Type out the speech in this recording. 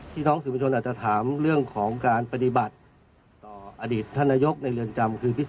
พี่น้องสื่อประชนอาจจะถามเรื่องของการปฏิบัติต่ออดีตท่านนายกในเรือนจำคือพิส